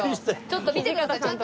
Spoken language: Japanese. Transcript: ちょっと見てください。